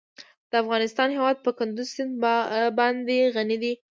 د افغانستان هیواد په کندز سیند باندې غني دی.